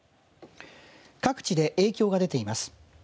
各地で影響が出ています。